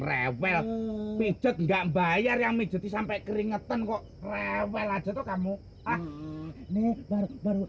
rewel pijet enggak bayar yang mejai sampai keringetan kok rewel aja tuh kamu ah ini baru baru